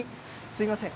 すみません。